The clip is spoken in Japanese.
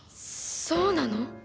そうなの？